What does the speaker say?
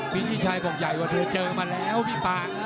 พี่ชิชัยบอกใหญ่กว่าเธอเจอมาแล้วพี่ปางนะ